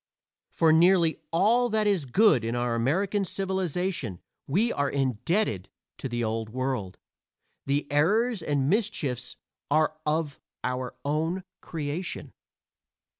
For nearly all that is good in our American civilization we are indebted to the Old World; the errors and mischiefs are of our own creation.